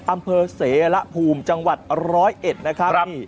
อำเภอเสรภูมิจังหวัดร้อยเอ็ดนะครับ